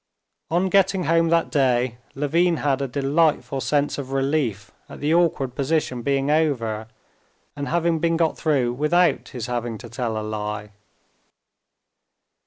On getting home that day, Levin had a delightful sense of relief at the awkward position being over and having been got through without his having to tell a lie.